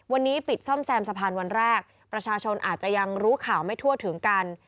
วันนี้ปิดซ่อมแซมสะพานวันแรกประชาชนอาจจะยังรู้ข่าวไม่ทั่วถึงกัน